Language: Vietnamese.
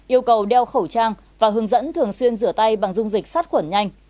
yêu cầu đeo khẩu trang và hướng dẫn thường xuyên rửa tay bằng dung dịch sát khuẩn nhanh